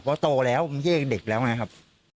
เพราะโตแล้วมันแยกเด็กแล้วไงครับ